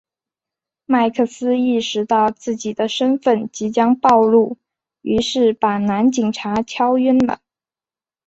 麦克斯意识到自己的身份即将暴露于是把男警察敲晕了。